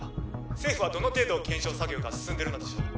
政府はどの程度検証作業が進んでるのでしょうか？